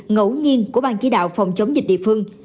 ngẫu nhiên của bang chỉ đạo phòng chống dịch địa phương